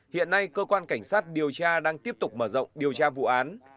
hiện nay cơ quan cảnh sát điều tra đang tiếp tục mở rộng điều tra vụ án